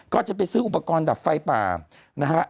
ก็จะไปซื้ออุปกรณ์ดับไฟป่านะฮะ